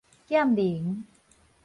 劍靈